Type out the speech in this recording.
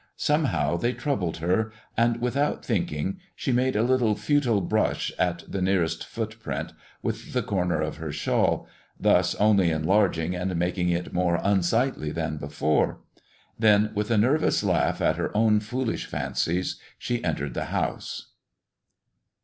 Somehow they troubled her, and, without thinking, she made a little futile brush at the nearest footprint with the corner of her shawl, thus only enlarging and making it more unsightly than before. Then, with a nervous laugh at her own foolish fancies, she entered the house.